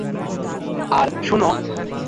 আর, শোনো।